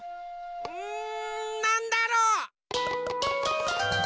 うんなんだろう。